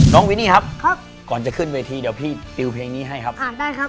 วินนี่ครับครับก่อนจะขึ้นเวทีเดี๋ยวพี่ติวเพลงนี้ให้ครับค่ะได้ครับ